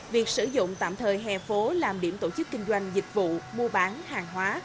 việc sử dụng tạm thời hè phố làm điểm tổ chức kinh doanh dịch vụ mua bán hàng hóa